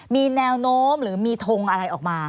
มีแนวโน้มหรือมีทงอะไรออกมา